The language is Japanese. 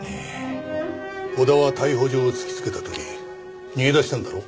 小田は逮捕状を突きつけた時逃げ出したんだろう？